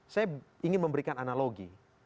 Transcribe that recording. saya ingin memberikan analogi